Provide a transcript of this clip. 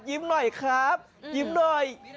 หน่อยครับยิ้มหน่อย